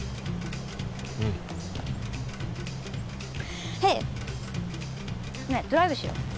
うん。ねえドライブしよう。